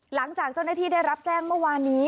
หลังจากเจ้าหน้าที่ได้รับแจ้งเมื่อวานนี้